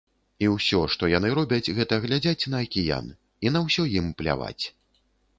І ўсё, што яны робяць, гэта глядзяць на акіян, і на ўсё ім пляваць.